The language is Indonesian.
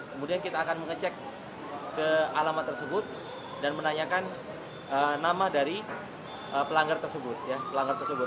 kemudian kita akan mengecek ke alamat tersebut dan menanyakan nama dari pelanggar tersebut